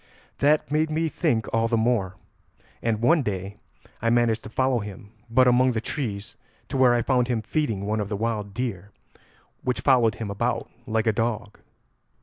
"That made me think all the more, and one day I managed to follow him but among the trees to where I found him feeding one of the wild deer, which followed him about like a dog."